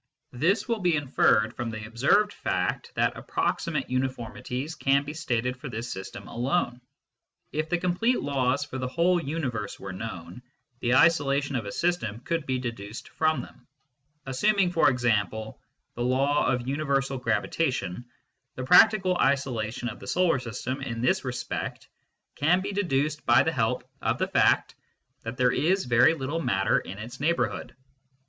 This will be inferred from the observed fact that approximate uniformities can be stated for this system alone. If the complete laws for the whole universe were known, the isolation of a system could be deduced from them ; assuming, for example, the law of universal gravitation, the practical isolation of the solar system in this respect can be deduced by the help of the fact that there is very little matter in its neighbourhood.